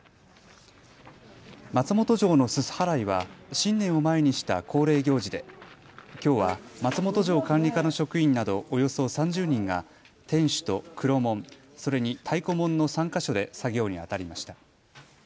松本城のすす払いは新年を前にした恒例行事できょうは松本城管理課の職員などおよそ３０人が天守と黒門、それに太鼓門の３か所で作業にあたりました。